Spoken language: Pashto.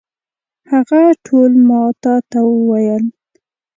هغه ټول ما تا ته وویل.